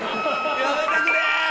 やめてくれ！